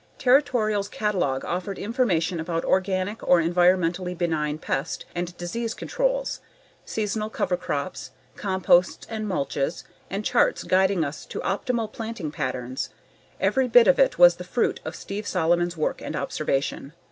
Territorial's catalog offered information about organic or environmentally benign pest and disease controls, seasonal cover crops, composts and mulches, and charts guiding us to optimal planting patterns. Every bit of it was the fruit of Steve Solomon's work and observation.